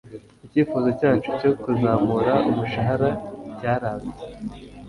Icyifuzo cyacu cyo kuzamura umushahara cyaranze.